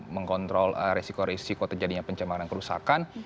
mengontrol resiko resiko terjadinya pencembangan dan kerusakan